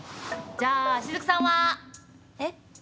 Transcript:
じゃあ雫さんは？えっ？